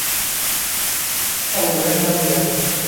Ew bilind nebûye.